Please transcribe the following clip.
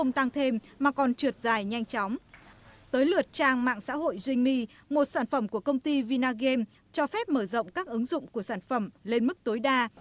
tới lượt trang mạng xã hội jinmi một sản phẩm của công ty vinagame cho phép mở rộng các ứng dụng của sản phẩm lên mức tối đa